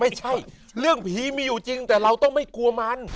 ไม่ใช่เรื่องผีมีอยู่จริงแต่เราต้องไม่กลัวมัน